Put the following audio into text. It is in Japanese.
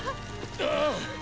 ああ！